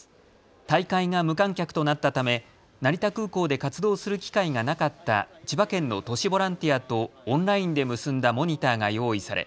大会が無観客となったため成田空港で活動する機会がなかった千葉県の都市ボランティアとオンラインで結んだモニターが用意され